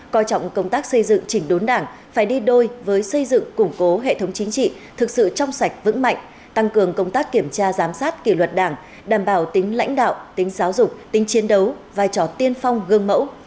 coi trọng công tác xây dựng chỉnh đốn đảng phải đi đôi với xây dựng củng cố hệ thống chính trị thực sự trong sạch vững mạnh tăng cường công tác kiểm tra giám sát kỷ luật đảng đảm bảo tính lãnh đạo tính giáo dục tính chiến đấu vai trò tiên phong gương mẫu